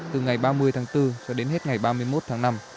từ ngày ba mươi tháng bốn cho đến hết ngày ba mươi một tháng năm